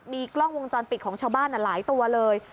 มีกล้องวงจรปิดของชาวบ้านหลายตัวเลย